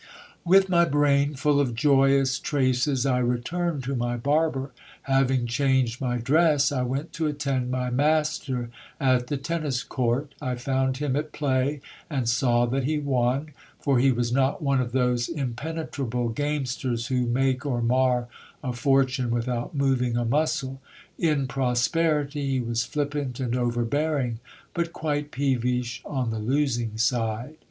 With my brain full of joyous traces, I returned to my barber. Having changed my dress, I went to attend my master at the tennis court. I found him at play, and saw that he won ; for he was not one of those impenetrable gamesters who make or mar a fortune without moving a muscle. In prosperity he was flippant and overbearing, but quite peevish on the losing side.